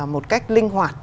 một cách linh hoạt